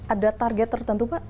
ada target tertentu